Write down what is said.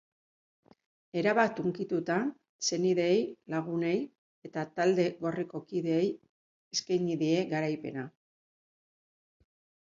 Erabat hunkituta, senideei, lagunei eta talde gorriko kideei eskaini die garaipena.